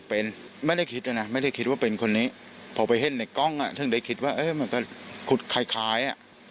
เป็นไม่ได้คิดนะนะไม่ได้คิดว่าเป็นคนนี้พอไปเห็นในกล้องถึงได้คิดว่าเออมันก็ขุดคล้ายอ่ะ